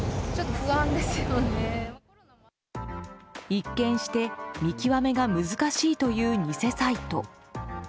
一見して見極めが難しいという偽サイト。